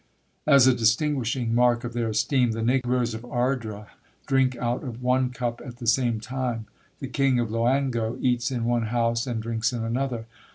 As a distinguishing mark of their esteem, the negroes of Ardra drink out of one cup at the same time. The king of Loango eats in one house, and drinks in another.